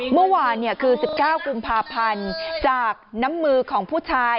เมื่อวานคือ๑๙กุมภาพันธ์จากน้ำมือของผู้ชาย